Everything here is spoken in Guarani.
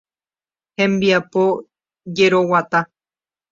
Hembiapo jeroguata.